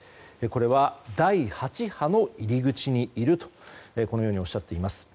これは第８波の入り口にいるとおっしゃっています。